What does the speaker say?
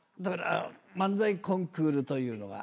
漫才コンクールというのが。